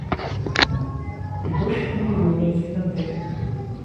Deg wacḥal yid-wen ay tellam din?